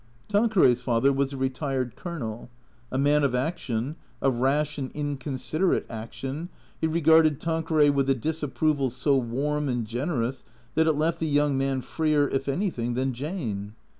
Tanqueray's father was a retired colonel. A man of action, of rash and inconsiderate action, he regarded Tanqueray with a disapproval so warm and generous that it left the young man freer, if anything, than Jane.